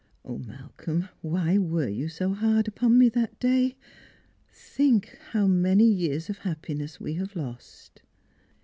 O, Malcolm, why were you so hard upon me that day ? Think how many years of happiness we have lost!"